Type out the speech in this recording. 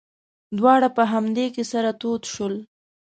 دواړه په همدې کې سره تود شول.